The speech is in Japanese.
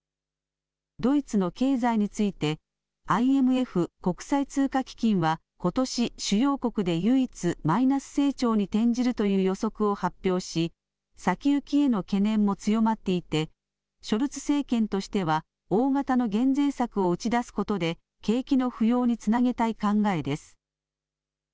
ドイツの経済についてＩＭＦ・国際通貨基金はことし主要国で唯一マイナス成長に転じるという予測を発表し先行きへの懸念も強まっていてショルツ政権としては大型の減税策を打ち出すことで景気の浮揚につなげたい考えです。